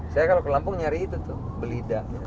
saya kalau ke lampung nyari itu tuh belida